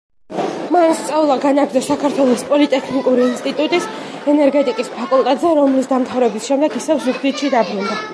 მან სწავლა განაგრძო საქართველოს პოლიტექნიკური ინსტიტუტის ენერგეტიკის ფაკულტეტზე, რომლის დამთავრების შემდეგ ისევ ზუგდიდში დაბრუნდა.